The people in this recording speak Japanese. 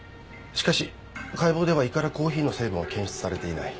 しかし解剖では胃からコーヒーの成分は検出されていない。